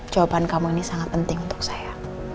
jawaban kamu ini sangat penting untuk saya